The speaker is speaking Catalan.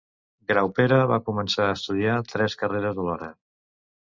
Graupera va començar a estudiar tres carreres alhora: